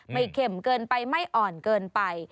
เข็มเกินไปไม่อ่อนเกินไป